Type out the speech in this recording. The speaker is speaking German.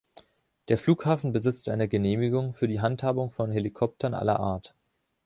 Der Flughafen besitzt eine Genehmigung für die Handhabung von Helikoptern aller Art.